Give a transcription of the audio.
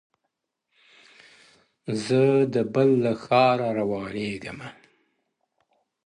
زه د بل له ښاره روانـېـږمـه ـ